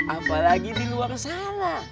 apalagi di luar sana